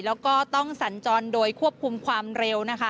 แล้วก็ต้องสัญจรโดยควบคุมความเร็วนะคะ